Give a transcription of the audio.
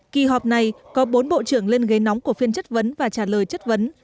kỳ họp này có bốn bộ trưởng lên ghế nóng của phiên chất vấn và trả lời chất vấn